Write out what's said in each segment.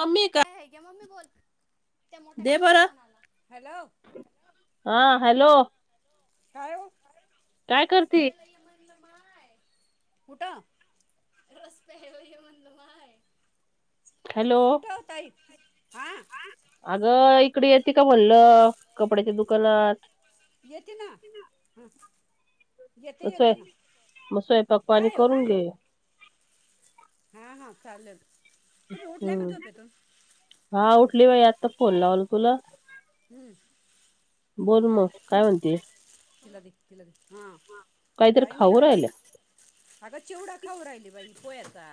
Mummy आहे का हग ममी बोल त्या मोठ्या दे काकूचा बरं. फोन आला हॅलो हा हॅलो काय काय ये करती कुठा रस्ते म्हय हॅलो हां अगं तीकडे येते का म्हणलं कपड्याच्या दुकानात? येेते ना ह अस हाय मग सोयपाक पाणी काय हो करून घे. हा हा चालेल, तुम्ही उठल्या का हम्म, झोपेतून हा उठली बाई आता फोन लावल तुला हं, बोल मग काय म्हणते, हा काहीतरी खाऊ राहिल. अगं चिवडा खाऊ राहिली बाई पोह्याचा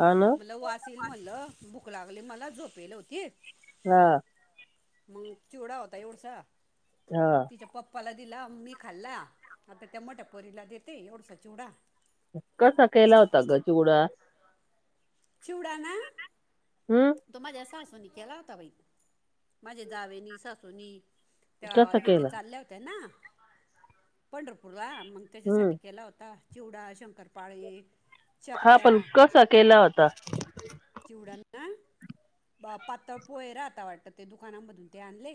हा ना वास येईल म्हटलं, लागली मला झोपेले होती. हा मग चिवडा होता एवढसा हा तिच्या पप्पाला दिला मी खाल्ला आता टमाट पोरीला देते एवढसा चिवडा कसा केला होता संपला गचुडा चिवडा ना हम्म तुम्हा जसातो नी केला होता बाई माझे दावेनी सासूनी तेव्हा कसा इथे केला चालल्या होत्या ना पंढरपूरला मग हम्म त्याच्यासाठी केला होता चिवडा शंकरपाळी हा पण कसा केला होता ह पातळ पोय र आता वाटतं ते दुकानामधून ते आणले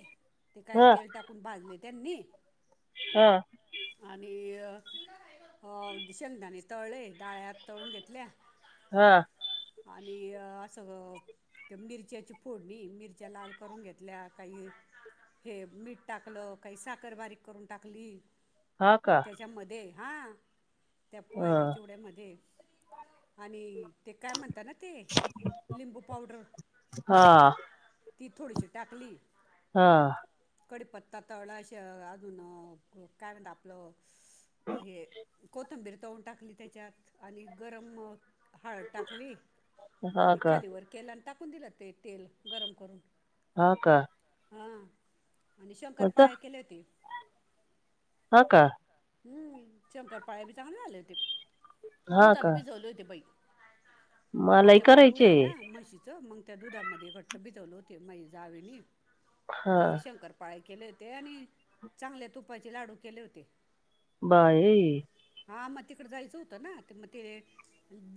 ते काय हा तेल टाकून भाजले त्यांनी हा आणि अ हो दिशेंदाने तळले, डाळ्या तळून घेतल्या. हां आणि असं ते मिरच्याची फोडनी, मिरच्या लाल करून घेतल्या काही हे मीठ टाकलं काही साखर बारीक करून टाकली, हा का त्याच्यामध्ये हां त्या हा पोह्यच्या चिवड्यामध्ये आणि ते काय म्हणत ना ते? लिंबू पावडर. हां ती थोडीशी टाकली हां कडीपत्ता तळअशे, अजून काय म्हणत आपलं? हे कोथंबीर तवून टाकली त्याच्यात, आणि गरम हळद टाकली, हा आणि का खालीवर केलान टाकून दिलं ते तेल गरम करून. हां का? हां, आणि शंकर पाळे केले होते. हां का? हं, शंकर पाळ्या बी चांगलं झाले होते. हा का दूधात बीझवले होते बाई. मलाही आमच्याकडे करायचे दूध आय ना म्हशीचं मंग त्या दुधामध्ये घट्ट भिजवले होते माय जावेनी. हा त्याचे शंकर पाळ्या केले होते आणि चांगल्या तुपाचे लाडू केले होते बाई. आ मग तिकडं जायचं होतं ना ते म ते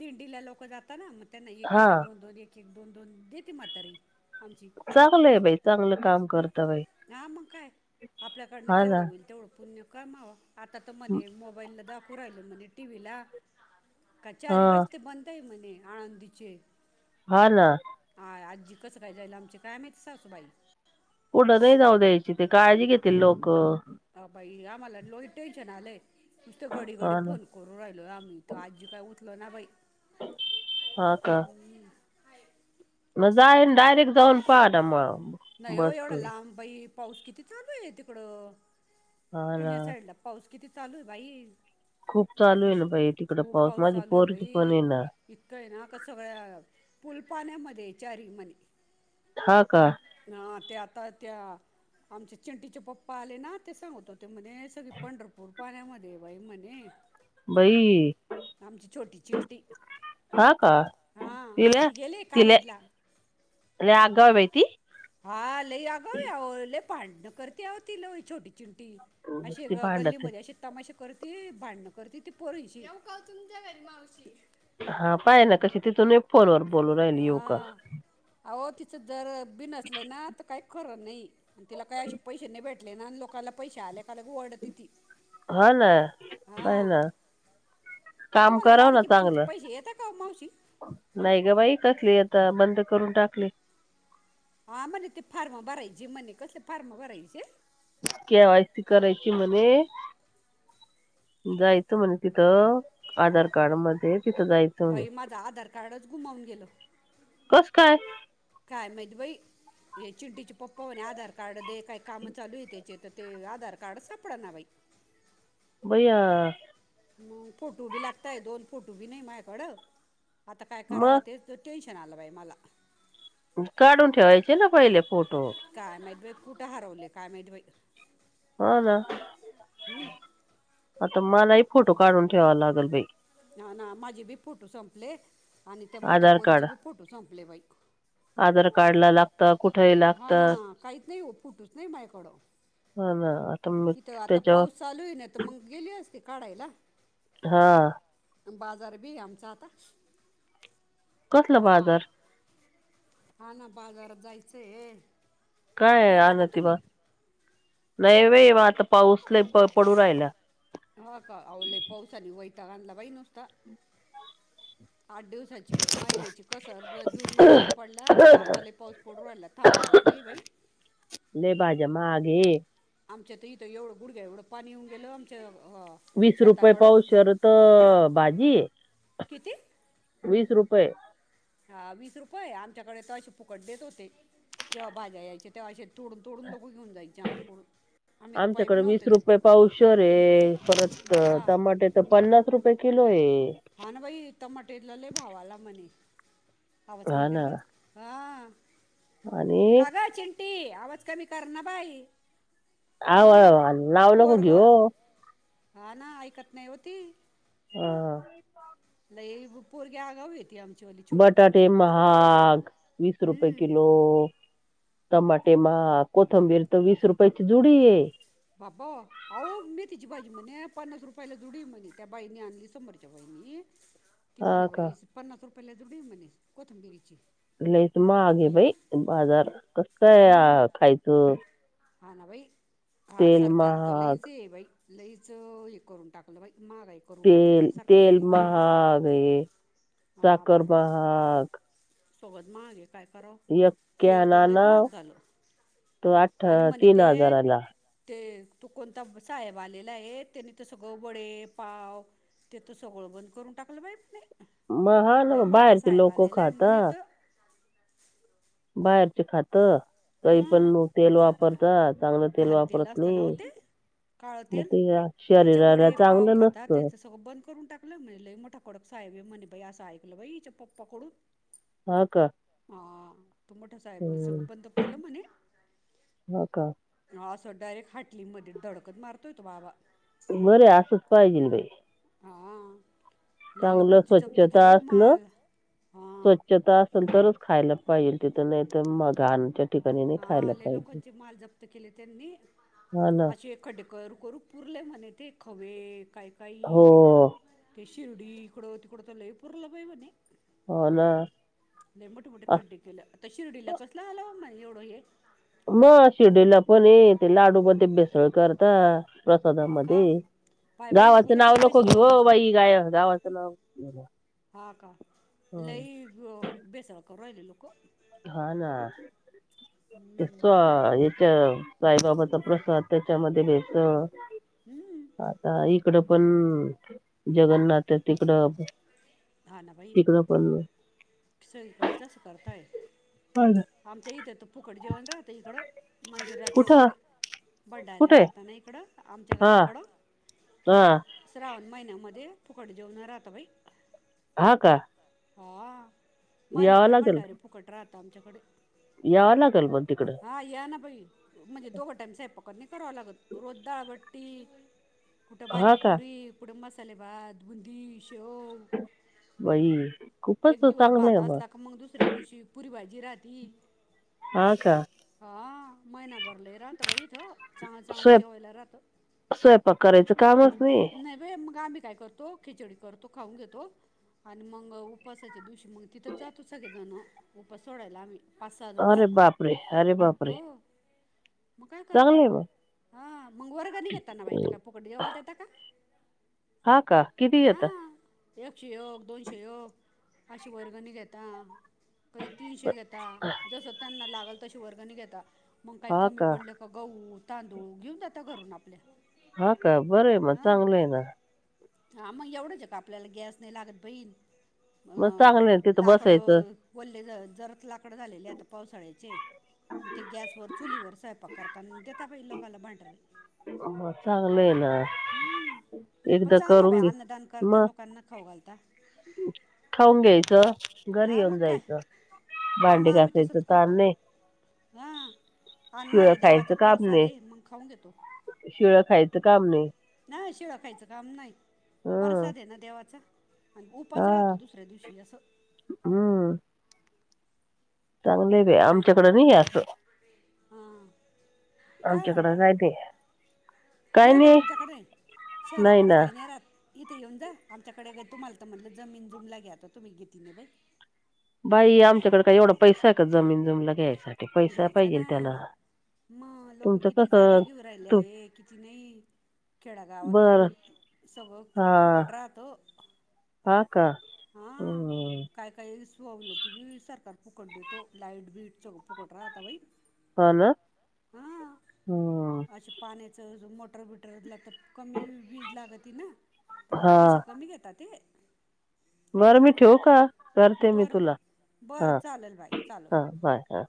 दिंडीला लोकं जात ना म त्यांना एक हा एक दोन दोन एक एक दोन दोन देते मातारी. चांगलं ए बाई, चांगलं काम कर. आं मग काय, आपल्याकडनं हा ना जेवढं होईल तेवढं पुण्य कमावा. आता त म्हणे मोबाईलला दाकू राहिले म्हणे टी व्ही ला क हा चाळी रस्ते बंदे म्हणे, आळंदीचे. हा ना आ आजी कसं काय जाईल आमची काय माहित सासू बाई. पुडं नाही जाऊ द्यायची ते काळजी घेतील लोकं. मला लोय टेन्शन आलंय, नुस्तं घडी घडी हा ना फोन करू राहिलो आम्ही त आजी काय उच् लनाबई हां का? म जाईन डयरेक्ट जाऊन पा ना म. नाही ओ एवढा लांब बाई पाऊस किती चालू आय तिकडं. हा ना पुण्या साईडला पाऊस किती चालूए बाई. खूप चालूए कस ना बाई तिकड पाऊस माझी पोरं ती पण ए ना. इतकंएना क सगळ्या पुलपाण्यामध्ये चारी मने. हां का हं ते आता त्या. आमचे चिंटीचे पप्पा आले ना ते सांगत होते म्हणे, सगळी पंढरपूर पाण्यामध्ये बाई म्हणे. बाई आमची छोटी चिंटी. हा का हां ती गेलीये कालेज ला. लै आगवै. हां लय आगवय औ लय भांड्नं करत्या आओ ती लय छोटी. चिंटी, असे नुसती ग भांडत गल्लीमध्ये असे तमाशे करती भांडण करती ती पोरीशी, येऊ तुमच्या घरी मावशी. हा पाय ना कशी, तिथून फोनवर बोलू राहिल येऊ का. आहों तिचं जर बिनसल असलय ना, तर काही खरं नाही, तिला काही अे पैसे नाही भेटले ना, लोकांना पैसे आले का लगे ओरडते ती. हा ना, आहेय हां ना. काम तुम्हाला कराव ना लाडकी बहिणीचे चांगलं, पैसे येतात का हो मावशी नाही ग बाई कसली येत. बंद करून टाकली. हा म्हणे ते फार्म भरायचे म्हणे, कसले फार्म भरायचे? केवायसी करायची म्हणे. जायचं म्हणे तिथं, आधार हां का कार्ड मध्ये तिथं जायचं म्हणे. बाई माझं आधार कार्डच गुमावून गेल, कस काय काय माहीत बाई. हे चिंडीचे पप्पा होणे आधार कार्ड दे, काय काम चालू येते तर ते आधार कार्ड सापडना बाई. बया. मग फोटो बी लागतय, दोन फोटो बी नाही माझ्याकड, आता काय कराव मग ते टेन्शन आलं बाई मला. काढून ठेवायचे ना पहिले फोटो. काय माहीत बाई, कुठं हरवले काय माहीत बाई. हा ना, हं? आता मलाही फोटो काढून ठेवावा लागेल बाई ह ना, माझे बी फोटू संपले, आणि त्या मोठ्या आधार कार्ड पोरीचे बी फोटू संपले बाई. आधार कार्डला लागतं, कुठेही लागत. फुटूच नाही माझ्याकडं. हां ना. आता मी इथं आता पाऊस त्याच्यावर चालू आहे नाहितर मंग गेली असती काढायला. हां. बाजार बी आमच आता कसलं बाजार? हां ना बाजार जायचं आहे. काय येता का आणती बा तुम्ही नाही बाई म आता पाऊस लई पडू राहिला. हां का आव पावसानी वैताग आणला बाई नुसता. आठ दिवसाची महिन्याची कसर जर जूनमध्ये नाही पडला तर आता लई पाऊस पडू राहिला थांबतच नाही बाई. लई भाज्या महागये. आमच्या तर इथं एवढं गुढग्या एवढं पाणी येऊन गेलं आमंच्या वीस रुपये पावशेर त भाजी. किती? होय. हां वीस रुपये, आमच्याकडे तर अशी फुकट देत होते. जेव्हा भाज्या यायच्या तेव्हा असे तुडून तुडून लो लोक गाईच्या अंगठ्या [inaudible] आमच्याकडे वीस रुपये पावशेरये, परत बाया टमाटे तर पन्नास रुपये किलो. आहे हां ना बाई, टमाटेला लई भाव आला म्हणे. आवाज हा कमी कर ना ग हा. आणि का ग चिंटी आवाज कमी कर ना बाई. आव हा नाव नको घेऊ ओ. हां ना ऐकत नाही ओ ती. हां. लई पोरगी आगाव आहे ती आम बटाटे महाग वीस रुपये हम्म किलो. टमाटे महाग कोथंबीर तर वीस रुपेची जुडी. बाबा अहो मेथी ची भाजी म्हणे पन्नास रुपयाला जुडी म्हणे त्या बाईनी आणली समोरच्या बाईनी. कि हा म्हणे का बाई पन्नास रुपयेला जुडी म्हणे कोथिंबिरीची. लईच महाग आहे बाई बाजार कस काय खायचं? हां ना बाई हा तेल सरकार तर महाग लईच हे आहे बाई लईचं हे करून टाकलं बाई. महागाई करून टाकली तेल त्या तेल सरकारने माहगये. साखर महाग. सगळच महाग आहे काय, करावं एक कॅन तेल तर लईच महाग आणावं झालं तर आठ आणि म्हणे तीन ते हजाराला. ते तू कोणता साहेब आलेला आहे त्यानी तर सगळे वडे पाव ते तर सगळं बंद करून टाकलं बाई म हां ना लय मोठा बाहेरचे साहेब लोक आलेला आहे खाता. म्हणे तर बाहेरच खातं. काही हं पण तेल वापरतात चांगलं तेल वापरत नाही. काळ मग तेल ते त्याचे शरीराला वडे पाव चांगलं खाता नसतं त्याच सगळं बंद करून टाकलं म्हणजे मोठा कडक सा काय बाई म्हणे बाई असं ऐकलं बाई हिच्या पप्पा कडून. हां का? तो मोठा साहेबनी हम्म सगळं बंद केलं म्हणे. हा का असं डायरेक्ट हाटलीमध्ये दडकच मारतोय तो बाबा. बरेय असंच पाहिजे ना बाई. हा लय चांगलं लोकांची जप्त केले स्वच्छता हो असल माल हा स्वच्छता असल तरच खायला पाहिजेल तिथं नाही तर मग घाण च हा आले लोकांचे माल जप्त केले त्यांनी हा ना असे खड्ड करू करू पूरले म्हने ते ख [inaudible] काय काही हो ते शिर्डी इकड तिकड तर लयपूरला बाई म्हणे [inaudible] हो. ना. नाही मोठे-मोठे अस- खड्डे केलं, आता शिर्डीला कसलं आला एवढं हे. मग शिर्डीला पण ये, ते लाडूमध्ये भेसळ करतात. हा का प्रसादामध्ये. पाय बाई लोक गावाचं कसे नाव नको पैसे कमा घेऊ, करतात बाई गाय गावाचं नाव नको घेऊ. हा का हं. लई बेसळ करून राहिले लोक. हा ना सो येच. साईबाबाचा प्रसाद त्याच्यामध्ये व्यायच हम्म, आता इकड पण जगन्नाथ तिकड हा ना बाई सगळीकडे जास करताय [inaudible] हा ना. आमच्या येत त पूकडे जेवन रा आता इकड मंदिर आता कुठं कडे [inaudible] भंडारीे कुठे राहतना इकडं आमच्या हा गावाकडं [inaudible] हा श्रावण महिन्यामध्ये फुकड जेवण राहतं बाई हा का हा महिन्यावर भंडारी फुकट राहत आमच्याकडे, याव लागल बग. हा, या ना बाई, म्हणजे दोघटाईम स्वयंपाक नाही कराव लागत रोज दहा गट. कुठं हा का भाजीपुरी, कुठं मसाले भात, बुंदी. बाई खूपच एक दिवस चांगलं भात आहे असला का मग, दुसऱ्या दिवशी पुरी भाजी. जिराधी. हा का हा महिना. भरले राात भाईथो चांग चांगलं जेोयला राात त्याच कामच नाही काय करतो खिचडी करतो खाऊन घेतो आणि मग उपासाच्या दिवशी मग तिथं जातो सगळे जण उपास सोडायला आम्ही पासादनो परे अरे बापरे मग काय करता चांगलं आहे हा मग वर्गनी घताना बाहि ते मग का फुकड जेवाल देतता का हा का किती येतं हां एक शेक दोन शिक अश वर्गनी घेतता कधी तीनशे घेता जस त्यांना लागल तशी वर्गणी घेता मग काही कमी पडलं का गहू तांदूळ घेऊन जाता घरून आपल्या हा का बरं आहे मग हां चांगलं आहे ना हा मग एवढंच का आपल्याला गॅस नाही लागत बहीण मग अं चांगलं आहे तिथं लाकड बसायचं बोलले जरच लाकड झालेले आता पावसाळ्याचे ते गॅसवर चुलीवर स्वयंपाक करता देताजे लोकाांला भांट म चांगलं आहे ना पण एकदा चांगलं आहे करून बाय घे अन्नदान करता मग लोकांना खाऊ घालता खाऊन घ्यायचं घरी हा येऊन मग काय जायचं हा मग भांडी आम्ही घसाायचं तसंच करतो तरानणे हां अन्न शिळ आहे खायचं देवाचा काम प्रसाद नाही आहे मग खाऊन घेतो शिळा खायचं काम नाही नाही शिळ खायचं काम नाही हं. परसाद आहे ना देवाचा आणि उपास हा राहतो दुसऱ्या दिवशी असं चांगलं भ हां आमच्याकडे नाही असं हां आमच्याकडें काय ते नाही का तुमच्याकडे शहराकड काही नाही राह इथे येऊन जा आमच्याकडे ग तुम्हाला तर म्हणज जमीन जुमला घ्याता तुम्ही घेती नाही बाई बाई आमच्याकडे काय एवढा पैसा आहे का जमीन जमीला घ्यायसाठी पैसा घ्यायचा पाहिजे ना त्याला मग लोक तुमचं किती जागा कसं घेऊन राहिले तू आहे किती नाही खेडागावात बर उलट सगळं हा फुकट राहत हा का हा हम्म काय काय सुवल होती बी सरकार फुकट द तो लाइईट बीट च फुकट राहाता भाई हला हम च मोटर बटरला तर कमी वीज लाग त ना तर मग हा पैसे कमी घेतात ते बरं मी ठेव का करते मी बर तुला हा बरं चालेल बाई चालेल हा बाय हा